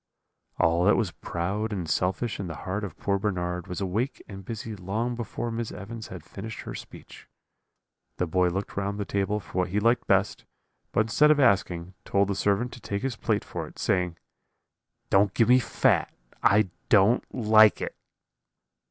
"All that was proud and selfish in the heart of poor Bernard was awake and busy long before Miss Evans had finished her speech. The boy looked round the table for what he liked best; but instead of asking, told the servant to take his plate for it, saying: "'Don't give me fat, I don't like it.'